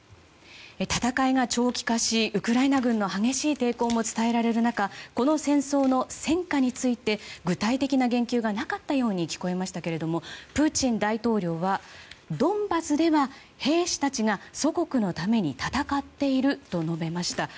戦いが長期化しウクライナ軍の激しい抵抗も伝えられる中この戦争の戦果について具体的な言及がなかったように聞こえましたけれどもプーチン大統領はドンバスでは兵士たちが祖国のために戦っていると述べました。